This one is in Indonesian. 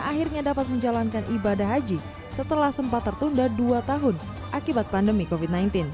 akhirnya dapat menjalankan ibadah haji setelah sempat tertunda dua tahun akibat pandemi kopi